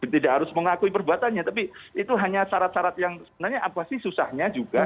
tidak harus mengakui perbuatannya tapi itu hanya syarat syarat yang sebenarnya apa sih susahnya juga